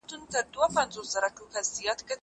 ته کله کتابتون ته راځې.